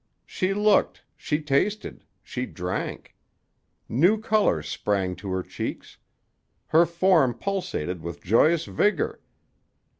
She looked, she tasted, she drank. New color sprang to her cheeks. Her form pulsated with joyous vigor.